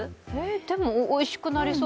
でも、おいしくなりそう。